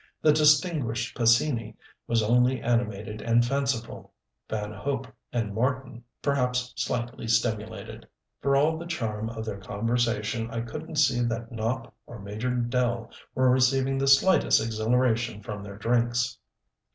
The distinguished Pescini was only animated and fanciful, Van Hope and Marten perhaps slightly stimulated. For all the charm of their conversation I couldn't see that Nopp or Major Dell were receiving the slightest exhilaration from their drinks.